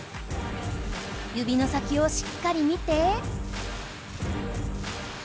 指の先をしっかり見て。